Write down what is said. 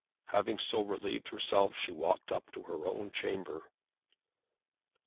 Having so relieved herself, she walked up to her own chamber.